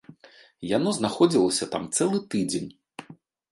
Яно знаходзілася там цэлы тыдзень.